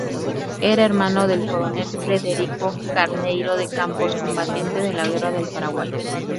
Era hermano del coronel Frederico Carneiro de Campos, combatiente de la Guerra del Paraguay.